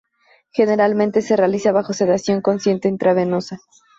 Generalmente, se realiza bajo sedación consciente intravenosa.